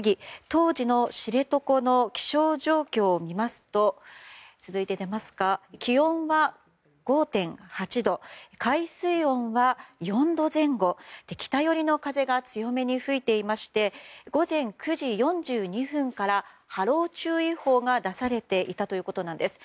当時の知床の気象状況を見ますと気温は５．８度海水温は４度前後北寄りの風が強めに吹いていまして午前９時４２分から波浪注意報が出されていたということです。